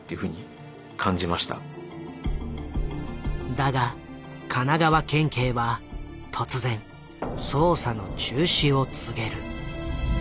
だが神奈川県警は突然捜査の中止を告げる。